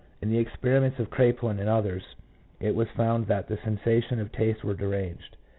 In the experiments of Kraepelin and others it was found that the sensations of taste were deranged.